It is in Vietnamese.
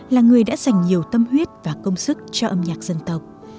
là người đã dành nhiều tâm huyết và công sức cho âm nhạc dân tộc